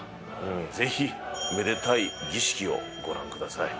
ぜひめでたい儀式をご覧ください。